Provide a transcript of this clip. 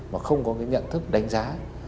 mà không có cái nhận thức đánh giá